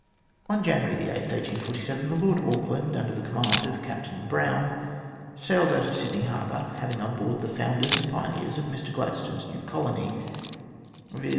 On January 8, 1847, the Lord Auckland, under the command of Captain Brown, sailed out of Sydney Harbour, having on board the founders and pioneers of Mr Gladstone's new colony, viz.